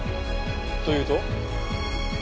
というと？